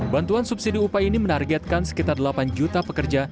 bantuan subsidi upah ini menargetkan sekitar delapan juta pekerja